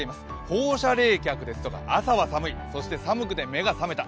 放射冷却ですとか、朝は寒い、そして寒くて目が覚めた。